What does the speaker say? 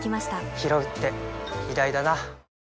ひろうって偉大だな